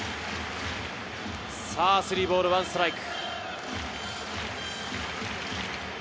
３ボール１ストライク。